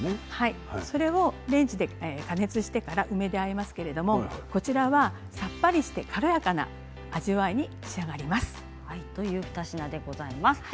それをレンジで加熱してから梅であえますけれどもこちらはさっぱりして軽やかな味わいに仕上がります。